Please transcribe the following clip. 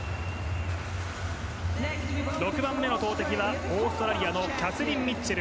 ６番目の投てきはオーストラリアのキャスリン・ミッチェル。